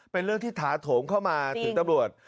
เป็นเรื่องที่ถาโถมเข้ามาถึงตำรวจ